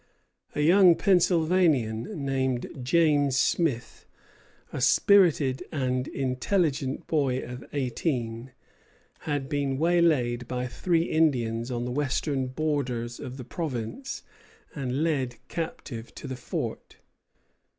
A young Pennsylvanian named James Smith, a spirited and intelligent boy of eighteen, had been waylaid by three Indians on the western borders of the province and led captive to the fort.